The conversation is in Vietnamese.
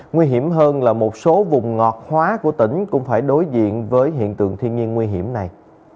nguy hiểm hơn là một số vùng ngọt hóa của tỉnh cũng phải đối diện với hiện tượng thiên nhiên nguy hiểm này